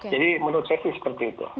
jadi menurut saya sih seperti itu